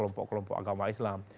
kelompok kelompok agama islam